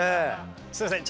すいません